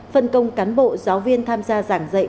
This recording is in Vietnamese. phân công cán bộ giáo viên tham gia giảng dạy